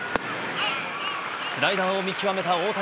スライダーを見極めた大谷。